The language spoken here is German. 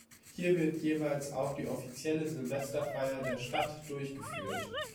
Hier wird jeweils auch die offizielle Silvesterfeier der Stadt durchgeführt.